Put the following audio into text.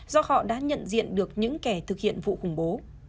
do họ đã nhận diện được những kẻ thực hiện vụ khủng bố